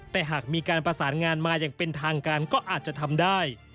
แต่หากมีการประสานงานมาอย่างเป็นทางการก็อาจจะทำได้